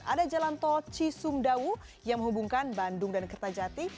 ada jalan tol cisumdawu yang menghubungkan bandung dan kertajati